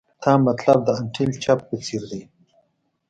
تا مطلب د انټیل چپ په څیر دی